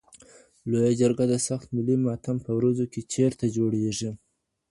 لویه جرګه د سخت ملي ماتم په ورځو کي چېرته جوړیږي؟